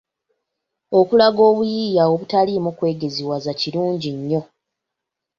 Okulaga obuyiiya obutaliimu kwegeziwaza kirungi nnyo.